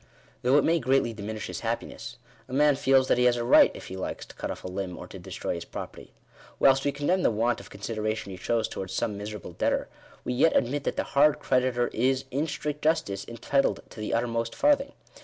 Though it may greatly diminish hte happiness, a man feels that he has a right, if he likes, to cut off a limb, or to destroy his property. Whilst we condemn the want of consideration he shows towards some miserable debtor, we yet admit that the hard creditor is, in strict justice, entitled to the uttermost farthing.